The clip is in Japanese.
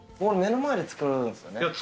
目の前で作るんですよね。